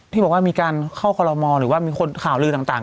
ที่บอกว่ามีการเข้าความรฟิราณหมอนหรือว่ามีข่าวลือต่าง